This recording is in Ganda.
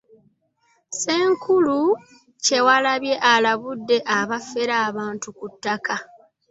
Ssenkulu Kyewalabye alabudde abafera abantu ku ttaka.